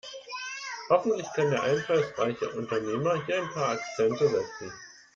Hoffentlich kann der einfallsreiche Unternehmer hier ein paar Akzente setzen.